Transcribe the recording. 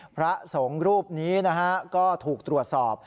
พระสงฆ์รูปนี้นะฮะก็ถูกตรวจสอบ